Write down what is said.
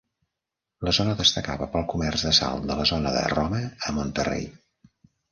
La zona destacava pel comerç de sal de la zona de Roma a Monterrey.